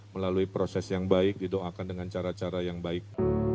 melalui proses yang baik didoakan dengan cara cara yang baik